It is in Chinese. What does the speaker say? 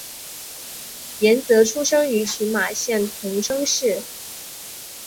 岩泽出生于群马县桐生市。